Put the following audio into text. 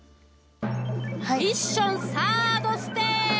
ミッションサードステージ。